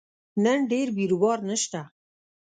نن ډېر بیروبار نشته